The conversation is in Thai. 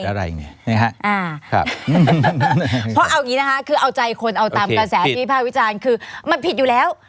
เอาใจคนคือเอาตามกาแสภิพย์ภาควิจารณ์คือมันผิดอยู่แล้ว